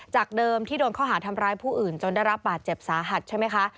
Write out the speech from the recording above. เดิมที่โดนข้อหาทำร้ายผู้อื่นจนได้รับบาดเจ็บสาหัสใช่ไหมคะ